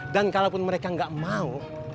dan kalaupun mereka gak mau